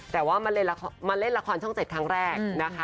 แต่ว่าเขามาเล่นละครช่องเจ็ดทั้งแรก